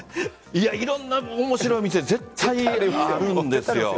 いろんな面白い店絶対あるんですよ。